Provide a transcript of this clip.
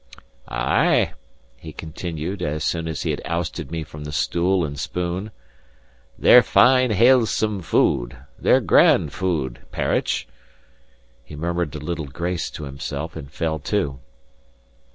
Ay," he continued, as soon as he had ousted me from the stool and spoon, "they're fine, halesome food they're grand food, parritch." He murmured a little grace to himself and fell to.